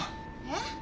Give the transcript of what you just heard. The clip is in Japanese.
えっ？